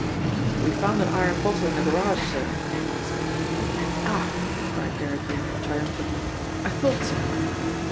"We found an iron bottle in the garage, sir?" he said. "Ah!" cried Derrick Yale triumphantly. "I thought so!"